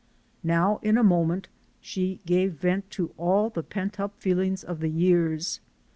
Now in a moment she gave vent to all the pent up feelings of the years.